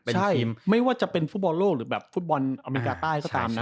ใช่ไม่ว่าจะเป็นฟุตบอลโลกหรือแบบฟุตบอลอเมริกาใต้ก็ตามนะ